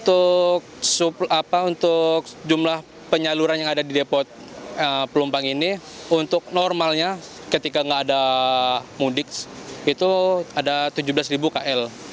untuk jumlah penyaluran yang ada di depot pelumpang ini untuk normalnya ketika nggak ada mudik itu ada tujuh belas kl